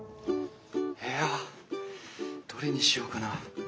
いやどれにしようかな。